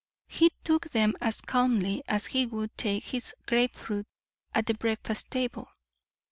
He took them as calmly as he would take his grapefruit at the breakfast table.